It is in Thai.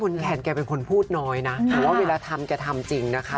คุณแคนแกเป็นคนพูดน้อยนะว่าเวลาทำแกทำจริงนะคะ